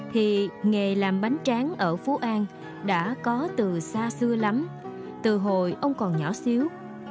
thì nghề làm bánh tráng ở phú an đã có từ xa xưa lắm từ hồi ông còn nhỏ xíu